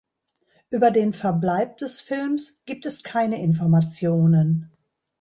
Über den Verbleib des Films gibt es keine Informationen.